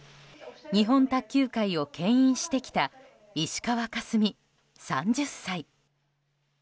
日本卓球界を牽引してきた石川佳純、３０歳。